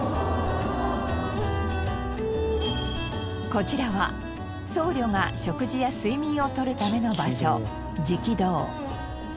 こちらは僧侶が食事や睡眠を取るための場所食堂。